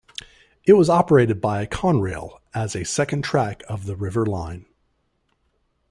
It was operated by Conrail as a second track of the River Line.